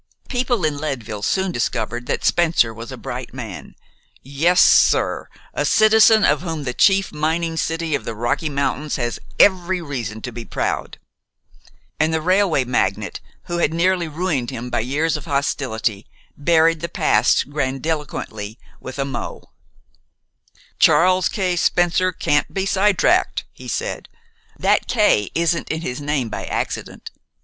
People in Leadville soon discovered that Spencer was a bright man, "yes, sir, a citizen of whom the chief mining city of the Rocky Mountains has every reason to be proud," and the railway magnate who had nearly ruined him by years of hostility buried the past grandiloquently with a mot. "Charles K. Spencer can't be sidetracked," he said. "That K isn't in his name by accident.